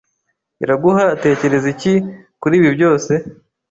Iraguha atekereza iki kuri ibi byose?